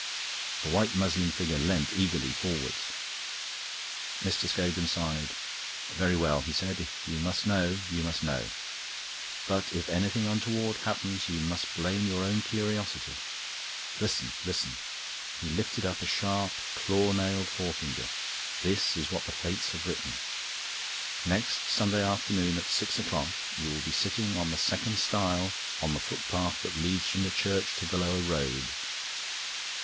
The white muslin figure leant eagerly forward. Mr. Scogan sighed. "Very well," he said, "if you must know, you must know. But if anything untoward happens you must blame your own curiosity. Listen. Listen." He lifted up a sharp, claw nailed forefinger. "This is what the fates have written. Next Sunday afternoon at six o'clock you will be sitting on the second stile on the footpath that leads from the church to the lower road.